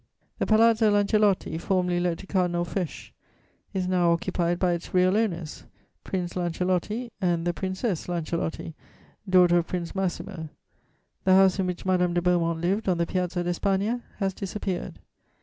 The Palazzo Lancellotti, formerly let to Cardinal Fesch, is now occupied by its real owners, Prince Lancellotti and the Princess Lancellotti, daughter of Prince Massimo. The house in which Madame de Beaumont lived, on the Piazza d'Espagna, has disappeared.